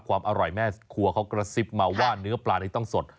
ความอร่อยแม่ครัวเขากระซิบมาว่าเนื้อปลานี้ต้องสด